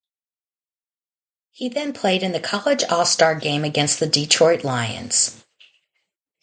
He then played in the College All-Star Game against the Detroit Lions.